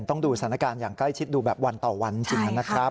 ต้องดูสถานการณ์อย่างใกล้ชิดดูแบบวันต่อวันจริงนะครับ